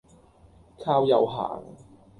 靠右行